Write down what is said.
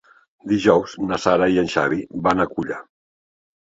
Dijous na Sara i en Xavi van a Culla.